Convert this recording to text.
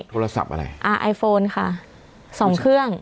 โทรศัพท์อะไรอ่าไอโฟนค่ะสองเครื่อง